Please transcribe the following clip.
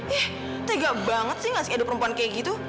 eh tega banget sih ngasih edo perempuan kayak gitu